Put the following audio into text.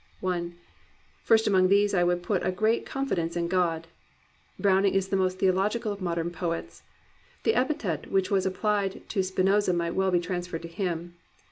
1. First among these I would put a great con fidence in God. Browning is the most theological of modern poets. The epithet which was applied to Spinoza might well be transferred to him.